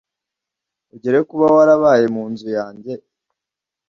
Ugire kuba warabaye mu nzu yange